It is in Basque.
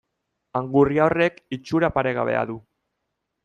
Angurria horrek itxura paregabea du.